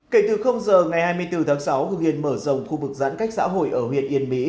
kể từ giờ ngày hai mươi bốn tháng sáu hưng yên mở rộng khu vực giãn cách xã hội ở huyện yên mỹ